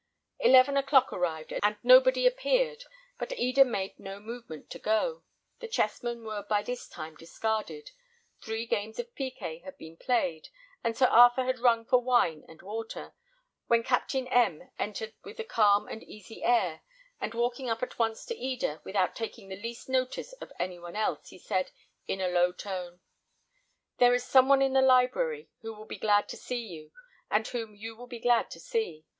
Eleven o'clock arrived, and nobody, appeared, but Eda made no movement to go. The chessmen were by this time discarded; three games of piquet had been played, and Sir Arthur had rung for wine and water, when Captain M entered with a calm and easy air, and walking up at once to Eda, without taking the least notice of any one else, he said, in a low tone, "There is some one in the library who will be glad to see you, and whom you will be glad to see.